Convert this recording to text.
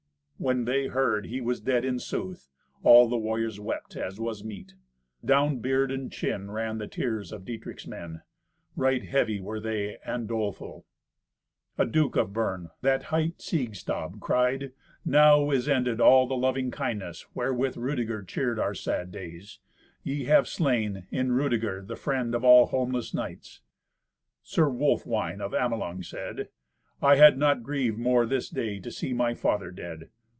When they heard he was dead in sooth, all the warriors wept, as was meet. Down beard and chin ran the tears of Dietrich's men. Right heavy were they and doleful. A duke of Bern that hight Siegstab, cried, "Now is ended all the loving kindness wherewith Rudeger cheered our sad days. Ye have slain, in Rudeger, the friend of all homeless knights." Sir Wolfwine of Amelung said, "I had not grieved more this day to see my father dead.